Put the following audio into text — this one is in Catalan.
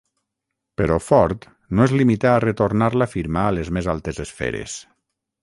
Però Ford no es limità a retornar la firma a les més altes esferes.